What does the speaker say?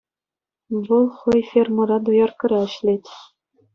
Вӑл хӑй фермӑра дояркӑра ӗҫлет.